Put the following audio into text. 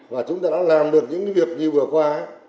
và chúng ta đã làm được những việc như vừa qua